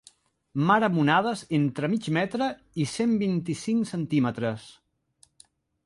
Mar amb onades entre mig metre i cent vint-i-cinc centímetres.